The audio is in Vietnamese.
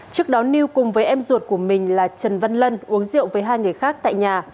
trước đó niêu cùng với em ruột của mình là trần văn lân uống rượu với hai người khác tại nhà